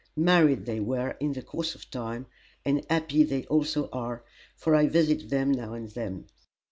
Married they were, in the course of time, and happy they also are, for I visit them now and then.